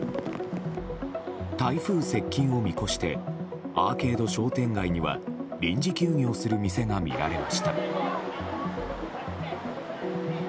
台風接近を見越してアーケード商店街には臨時休業する店が見られました。